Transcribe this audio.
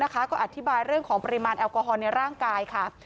ก็อธิบายเรื่องของปริมาณแอลกอฮอลในร่างกายค่ะ